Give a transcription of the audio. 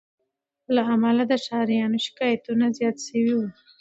له امله د ښاریانو شکایتونه زیات سوي وه